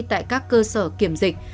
tại các cơ sở kiểm dịch